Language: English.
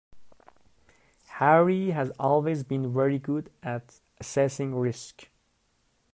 Harry has always been very good at assessing risk